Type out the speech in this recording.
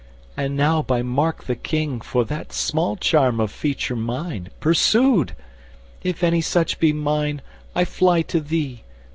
—and now by Mark the King For that small charm of feature mine, pursued— If any such be mine—I fly to thee.